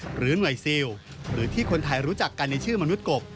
หรือหน่วยซิลหรือที่คนไทยรู้จักกันในชื่อมนุษย์กบ